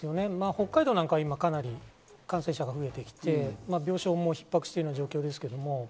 北海道なんかは、感染者が増えてきていて、病床もひっ迫している状況です。